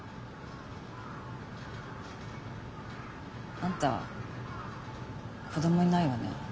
あんた子供いないわね。